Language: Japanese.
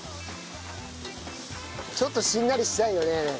ちょっとしんなりしたいよね。